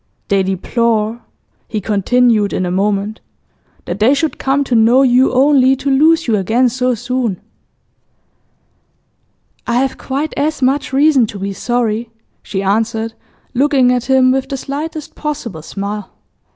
'They deplore,' he continued in a moment, 'that they should come to know you only to lose you again so soon. 'I have quite as much reason to be sorry,' she answered, looking at him with the slightest possible smile.